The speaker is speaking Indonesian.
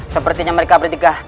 sepertinya mereka bertiga